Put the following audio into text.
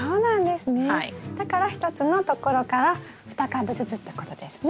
だから１つのところから２株ずつってことですね。